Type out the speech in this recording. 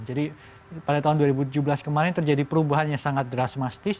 jadi pada tahun dua ribu tujuh belas kemarin terjadi perubahannya sangat drastis